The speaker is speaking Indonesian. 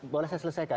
boleh saya selesaikan